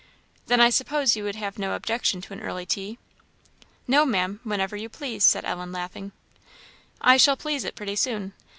"Then I suppose you would have no objection to an early tea?" "No, Maam whenever you please," said Ellen? laughing. "I shall please it pretty soon.